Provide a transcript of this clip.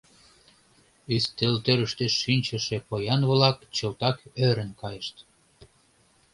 Ӱстелтӧрыштӧ шинчыше поян-влак чылтак ӧрын кайышт.